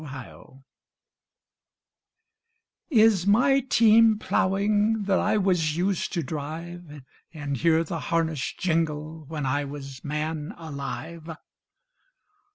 XXVII "Is my team ploughing, That I was used to drive And hear the harness jingle When I was man alive?"